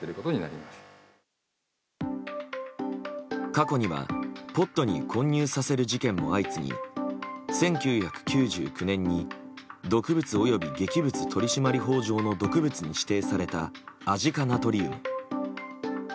過去にはポットに混入させる事件も相次ぎ１９９９年に毒物及び劇物取締法上の毒物に指定されたアジ化ナトリウム。